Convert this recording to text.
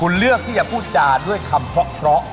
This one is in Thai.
คุณเลือกที่จะพูดจาด้วยคำเพราะ